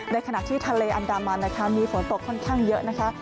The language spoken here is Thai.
ขณะที่ทะเลอันดามันนะคะมีฝนตกค่อนข้างเยอะนะคะ